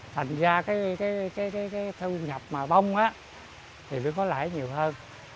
thành ra cái thu nhập mà bông thì mới có lãi nhiều hơn